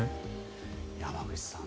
山口さん